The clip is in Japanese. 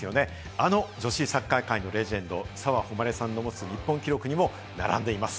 あの女子サッカー界のレジェンド・澤穂希さんの持つ日本記録にも並んでいます。